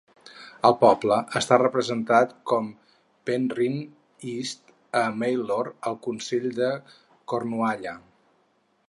El poble està representat com Penryn East and Mylor al Consell de Cornualla.